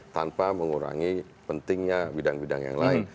tanpa mengurangi pentingnya bidang bidang yang lain